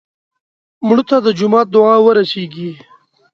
مړه ته د جومات دعا ورسېږي